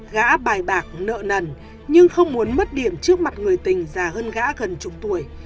gã bài bạc nợ nần nhưng không muốn mất điểm trước mặt người tình già hơn gã gần chục tuổi